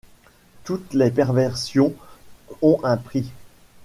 Toutes les perversions ont un prix.